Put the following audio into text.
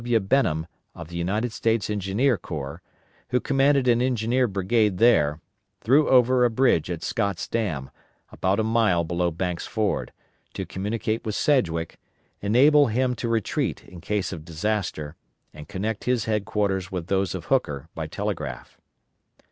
W. Benham of the United States Engineer Corps, who commanded an engineer brigade there, threw over a bridge at Scott's dam, about a mile below Banks' Ford, to communicate with Sedgwick, enable him to retreat in case of disaster, and connect his headquarters with those of Hooker by telegraph.